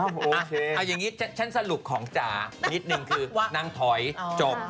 เอาอย่างนี้ฉันสรุปของจ๋านิดนึงคือนางถอยจบ